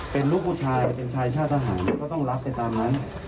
เป็นลูกผู้ชายเป็นชายชาติทหารก็ต้องรับไปตามนั้น